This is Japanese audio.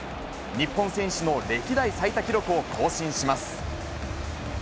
日本選手の歴代最多記録を更新します。